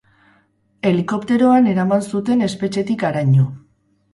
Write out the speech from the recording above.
Helikopteroan eramaten zuten espetxetik haraino.